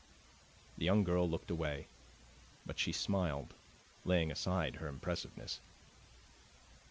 The young girl looked away; but she smiled, laying aside her impressiveness.